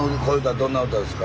どんな歌ですか？